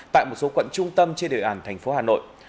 tại một số quận trung tâm trên đề ản thành phố hà nội